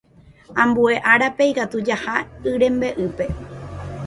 Ambue árape ikatu jaha yrembe'ýpe.